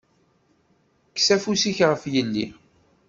Kkes afus-ik ɣef yelli!